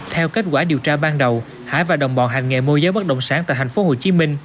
theo kết quả điều tra ban đầu hải và đồng bọn hành nghề môi giới bất động sản tại tp hcm